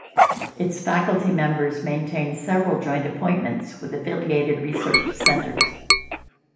Its faculty members maintain several joint appointments with affiliated research centers.